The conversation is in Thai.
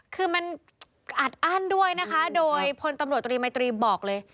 คือมันอัดอั้นด้วยนะคะโดยพลตำรวจตรีมัยตรีบอกเลย